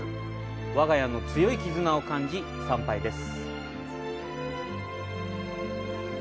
我が家の強い絆を感じ、参拝です。